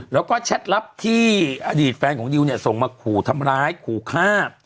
แล้วก็แชทลับที่อดีตแฟนของดิวเนี่ยส่งมาขู่ทำร้ายขู่ฆ่า